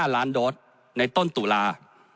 ๕ล้านโดสในต้นตุลา